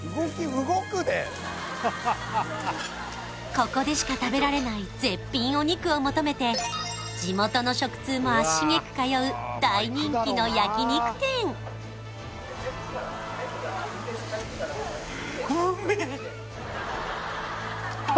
ここでしか食べられない絶品お肉を求めて地元の食通も足しげく通う大人気の焼肉店ハハハハ！